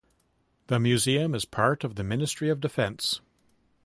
The museum is part of the Ministry of Defense.